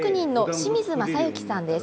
清水正行さんです。